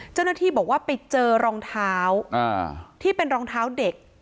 เจ้าหน้าที่บอกว่าไปเจอรองเท้าที่เป็นรองเท้าเด็ก